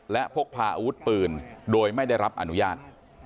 และพกพาอาวุธปืนโดยไม่ได้รับอนุญาต